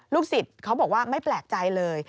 ศิษย์เขาบอกว่าไม่แปลกใจเลย